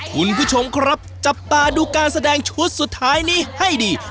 คุณผู้ชมครับจับตาดูการแสดงชุดสุดท้ายนี้ให้ดี